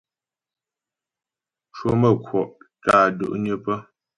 Cwəmə̌kwɔ' tə́ á do'nyə pə́.